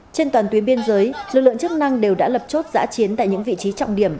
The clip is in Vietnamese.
trên toàn tuyến biên giới lực lượng chức năng đều đã lập chốt giã chiến tại những vị trí trọng điểm